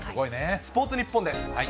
スポーツニッポンです。